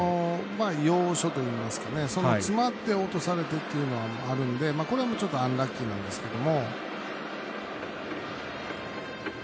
要所といいますか詰まって落とされてっていうのはあるんでこれは、ちょっとアンラッキーなんですけども。